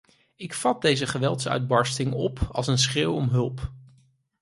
Ik vat deze geweldsuitbarsting op als een schreeuw om hulp.